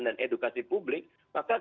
dan edukasi publik maka kita